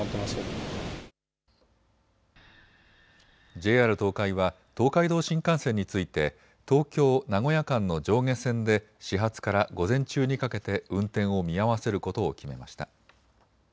ＪＲ東海は東海道新幹線について東京・名古屋間の上下線で始発から午前中にかけて運転を見合わせることを決めました。